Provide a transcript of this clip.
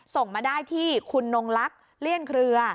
ส่งมาได้ที่คุณนงลักษณ์เลี่ยนเครือ